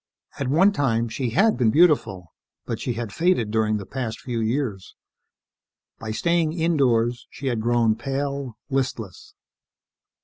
At one time, she had been beautiful, but she had faded during the past few years. By staying indoors, she had grown pale, listless.